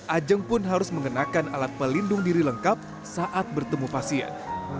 ajeng pun harus mengenakan alat pelindung diri lengkap saat bertemu pasien